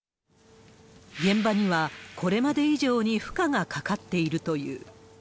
現場には、これまで以上に負荷がかかっているという。